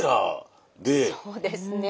そうですね。